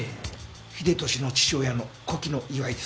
英利の父親の古希の祝いです。